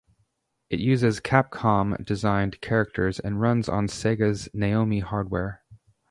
It uses Capcom-designed characters and runs on Sega's Naomi Hardware.